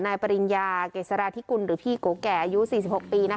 นายปริญญาเกษรทิกุลหรือพี่ก๋แก่อายุสี่สิบหกปีนะคะ